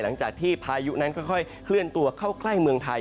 หลังจากที่พายุนั้นค่อยเคลื่อนตัวเข้าใกล้เมืองไทย